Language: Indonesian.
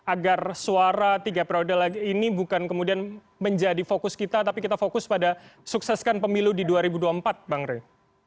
agar suara tiga periode lagi ini bukan kemudian menjadi fokus kita tapi kita fokus pada sukseskan pemilu di dua ribu dua puluh empat bang rey